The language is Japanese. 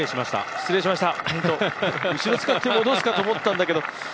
失礼しました。